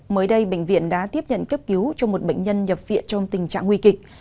mới đây bệnh viện đã tiếp nhận cấp cứu cho một bệnh nhân nhập viện trong tình trạng nguy kịch